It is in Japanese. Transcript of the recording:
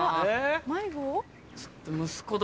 迷子？